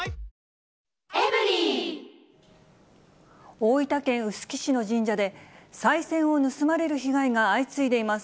大分県臼杵市の神社で、さい銭を盗まれる被害が相次いでいます。